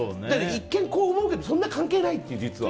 一見、こう思うけどそんな関係ないっていう。